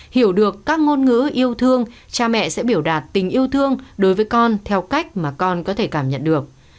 hiểu được các ngôn ngữ yêu thương cha mẹ sẽ biểu đạt tình yêu thương đối với con theo cách mà con có thể cảm nhận được